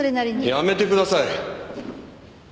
やめてください。